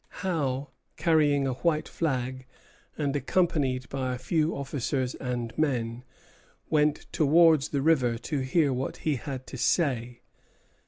Howe, carrying a white flag, and accompanied by a few officers and men, went towards the river to hear what he had to say.